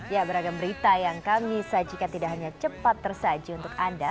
ya beragam berita yang kami sajikan tidak hanya cepat tersaji untuk anda